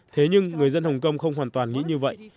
thế nhưng người dân hồng kông không hoàn toàn nghĩ như vậy